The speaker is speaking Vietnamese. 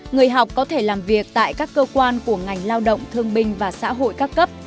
người học có thể làm việc tại các cơ quan của ngành lao động thương binh và xã hội các cấp